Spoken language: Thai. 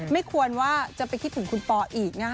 ไม่ควรว่าจะไปคิดถึงคุณปออีกนะฮะ